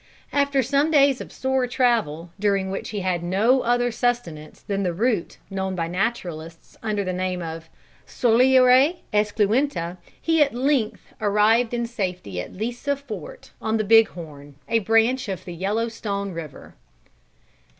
After some days of sore travel, during which he had no other sustenance than the root known by naturalists under the name of psoralea esculenta, he at length arrived in safety at Lisa Fort, on the Big Horn, a branch of the Yellow Stone river."